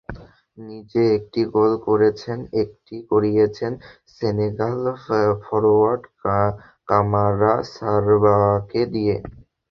নিজে একটি গোল করেছেন, একটি করিয়েছেন সেনেগাল ফরোয়ার্ড কামারা সারবাকে দিয়ে।